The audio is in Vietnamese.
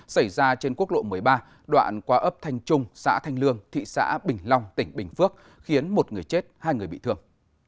xảy ra trên quốc lộ một mươi ba đoạn qua ấp thanh trung xã thanh lương thị xã bình long tỉnh bình phước khiến một người chết hai người bị thương